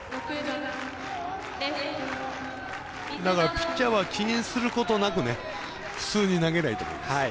ピッチャーは気にすることなく普通に投げればいいと思います。